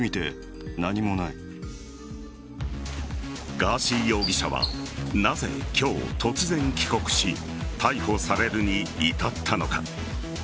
ガーシー容疑者はなぜ今日、突然帰国し逮捕されるに至ったのか。